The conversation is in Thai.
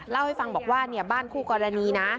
เล่าให้ฟังบอกว่าเนี่ยบ้านคู่กรณีนะ